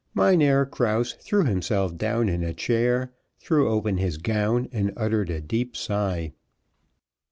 Mynheer Krause threw himself down in a chair, threw open his gown, and uttered a deep sigh.